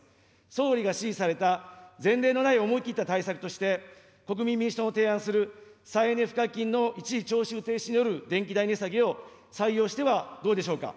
総理が指示された前例のない思い切った対策として、国民民主党の提案する再エネ賦課金の一時徴収停止による電気代値下げを採用してはどうでしょうか。